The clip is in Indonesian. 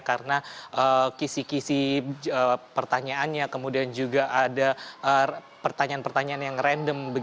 karena kisi kisi pertanyaannya kemudian juga ada pertanyaan pertanyaan yang random